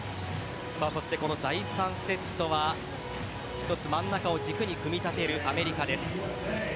第３セットは一つ真ん中を軸に組み立てるアメリカです。